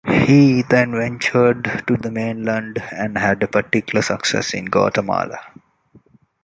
He then ventured to the mainland and had particular success in Guatemala.